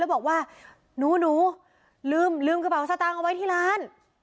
บอกว่าหนูลืมลืมกระเป๋าสตางค์เอาไว้ที่ร้าน